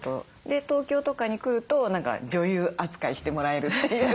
で東京とかに来ると何か女優扱いしてもらえるっていう。